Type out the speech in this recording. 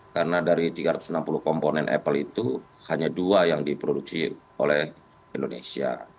karena dari tiga ratus enam puluh komponen apple itu hanya dua yang diproduksi oleh indonesia